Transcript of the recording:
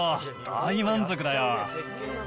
大満足だよ。